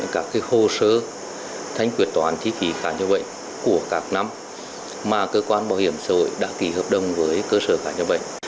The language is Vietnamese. các hồ sơ thanh quyệt toán chi phí khả nhiệm bệnh của các năm mà cơ quan bảo hiểm sở hội đã kỳ hợp đồng với cơ sở khả nhiệm bệnh